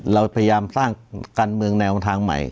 เราพยายามสร้างการเมืองแนวทางใหม่